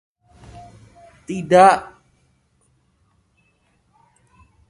Apa kamu ngantuk?